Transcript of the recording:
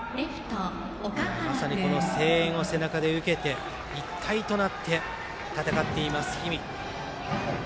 まさに声援を背中に受けて一体となって、戦っています氷見。